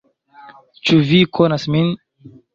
Ĉu vi konas min?